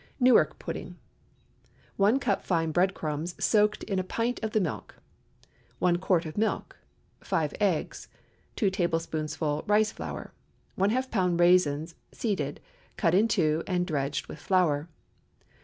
NEWARK PUDDING. 1 cup fine bread crumbs soaked in a pint of the milk. 1 quart of milk. 5 eggs. 2 tablespoonfuls rice flour. ½ lb. raisins seeded, cut in two, and dredged with flour.